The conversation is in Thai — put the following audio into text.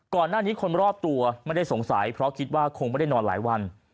ก่อนหน้านี้คนรอบตัวไม่ได้สงสัยเพราะคิดว่าคงไม่ได้นอนหลายวัน